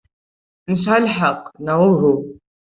Nesɛa lḥeqq, neɣ uhu?